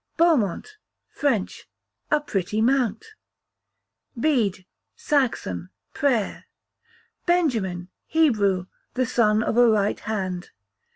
Beaumont, French, a pretty mount. Bede, Saxon, prayer. Benjamin, Hebrew, the son of a right hand.